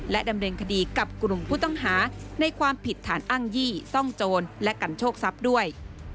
ดำเนินคดีกับกลุ่มผู้ต้องหาในความผิดฐานอ้างยี่ซ่องโจรและกันโชคทรัพย์ด้วย